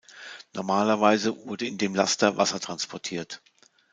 Normalerweise wurde in dem Laster Wasser transportiert.